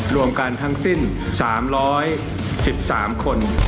รวมกันทั้งสิ้น๓๑๓คน